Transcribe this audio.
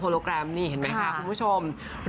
ต้องใช้คำนี้ค่ะต้องใช้คำนี้ค่ะต้องใช้คำนี้ค่ะ